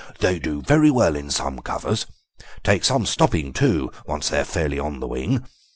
"They do very well in some covers. Take some stopping too, once they're fairly on the wing.